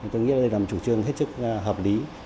tôi nghĩ đây là một chủ trương hết sức hợp lý